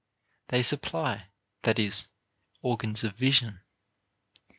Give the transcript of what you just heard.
They supply, that is, organs of vision.